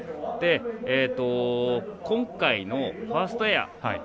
今回のファーストエア。